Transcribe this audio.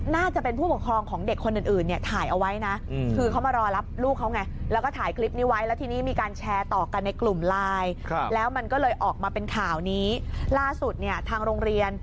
น่าจะเป็นผู้ปกครองของเด็กคนอื่นเนี่ย